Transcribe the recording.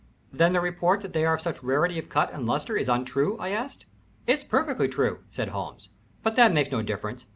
"Then the report that they are of such rarity of cut and lustre is untrue?" I asked. "It's perfectly true," said Holmes, "but that makes no difference.